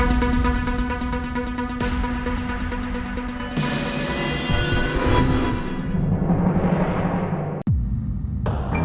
gak ada satunya random sekarang